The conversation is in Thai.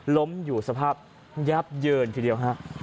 ล้มอยู่สภาพยับเยินทีเดียวฮะ